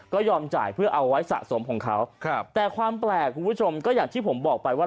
ก็ยอมจ่ายเพื่อเอาไว้สะสมของเขาครับแต่ความแปลกคุณผู้ชมก็อย่างที่ผมบอกไปว่า